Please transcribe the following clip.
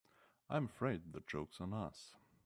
I'm afraid the joke's on us.